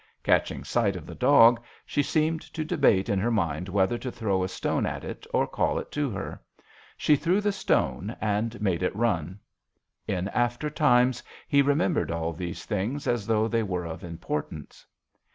Catching sight of the dog she seemed to debate in her mind whether to throw a stone at it or call it to her. She threw the stone and made it run. In after times he re membered all these things as though they were of importance.